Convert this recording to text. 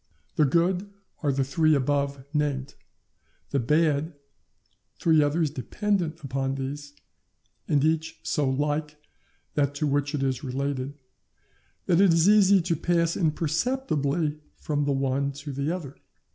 The good are the three above named; the bad, three others dependent upon these, and each so like that to which it is related, that it is easy to pass imperceptibly from the one to the other.